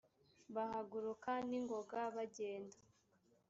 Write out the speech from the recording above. bahaguruka n ingoga bagenda